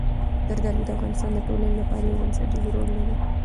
زردالو د افغانستان د ټولنې لپاره یو بنسټيز رول لري.